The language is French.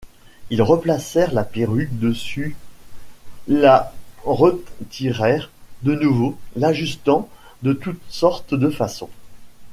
Ils replacèrent la perruque dessus, la retirèrent de nouveau, l'ajustant de toutes sortes de façons.